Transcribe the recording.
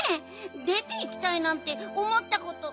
でていきたいなんておもったこと。